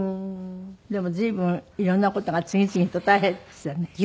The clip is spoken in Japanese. でも随分色んな事が次々と大変でしたね。